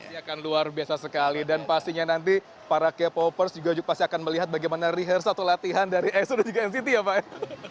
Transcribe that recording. pasti akan luar biasa sekali dan pastinya nanti para k popers juga pasti akan melihat bagaimana rehears atau latihan dari aso dan juga nct ya pak